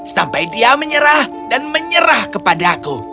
sampai dia menyerah dan menyerah kepada aku